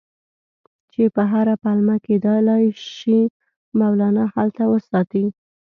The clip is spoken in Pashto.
چې په هره پلمه کېدلای شي مولنا هلته وساتي.